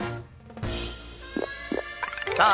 さあ